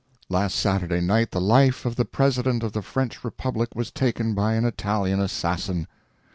Last Saturday night the life of the President of the French Republic was taken by an Italian assassin.